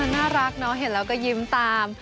น่ารักเนอะเห็นแล้วก็ยิ้มตาม